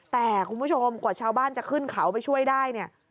แต่คุณผู้ชมกว่าชาวบ้านจะขึ้นเขาไปช่วยได้เนี่ย